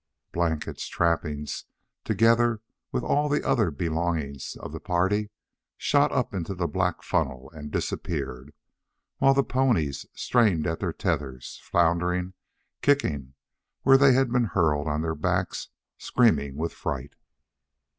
Blankets, trappings, together with all the other belongings of the party, shot up into the black funnel and disappeared, while the ponies strained at their tethers, floundering, kicking where they had been hurled on their backs, screaming with fright.